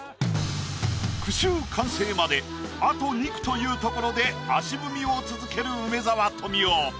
句集完成まであと２句というところで足踏みを続ける梅沢富美男。